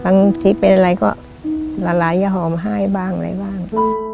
บางทีเป็นอะไรก็ละลายอย่าหอมไห้บ้างอะไรบ้าง